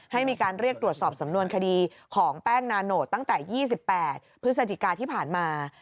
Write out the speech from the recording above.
ให้มีการเรียกตรวจสอบสำนวนคดีของแป้งนาโนตตั้งแต่๒๘พฤศจิกาที่ผ่านมา